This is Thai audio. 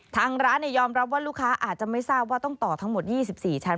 ทางร้านยอมรับว่าลูกค้าอาจจะไม่ทราบว่าต้องต่อทั้งหมด๒๔ชั้น